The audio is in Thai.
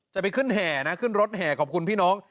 ไปขึ้นแห่นะขึ้นรถแห่ขอบคุณพี่น้อง